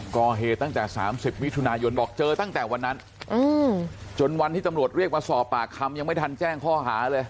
ก่อเหตุตั้งแต่๓๐มิถุนายนบอกเจอตั้งแต่วันนั้นจนวันที่ตำรวจเรียกมาสอบปากคำยังไม่ทันแจ้งข้อหาเลย